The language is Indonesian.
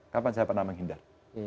kapan saya pernah menghindar